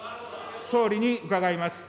総理に伺います。